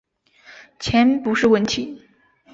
钱不是问题